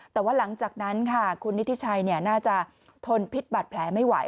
แต่ว่าหลังจากนั้นค่ะคุณนิธิชัยน่าจะทนพิษบัตรแผลไม่ไหว